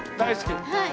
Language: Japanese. はい。